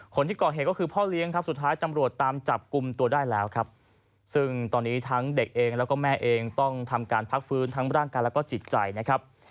คนที่ก่อเหตุก็คือพ่อเลี้ยงครับสุดท้ายตำรวจตามจับกลุ่มตัวได้แล้วครับซึ่งตอนนี้ทั้งเด็กเองแล้วก็แม่เองต้องทำการพักฟื้นทั้งร่างกายแล้วก็จิตใจนะครับ